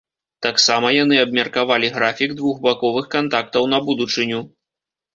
Таксама яны абмеркавалі графік двухбаковых кантактаў на будучыню.